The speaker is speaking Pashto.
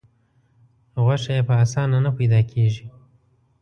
غوښه یې په اسانه نه پیدا کېږي.